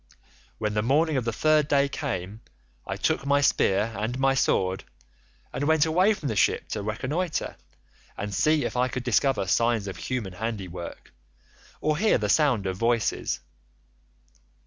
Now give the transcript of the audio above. When the morning of the third day came I took my spear and my sword, and went away from the ship to reconnoitre, and see if I could discover signs of human handiwork, or hear the sound of voices.